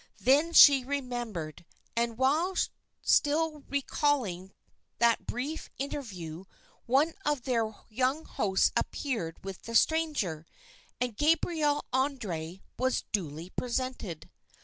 Then she remembered, and while still recalling that brief interview one of their young hosts appeared with the stranger, and Gabriel André was duly presented.